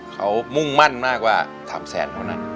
เขามุ่งมั่นมากว่าทำแสนเขานะ